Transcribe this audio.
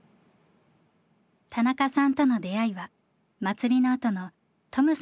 田中さんとの出会いは祭りのあとのトムさんの家でした。